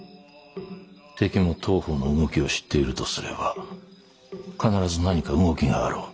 敵も当方の動きを知っているとすれば必ず何か動きがあろう。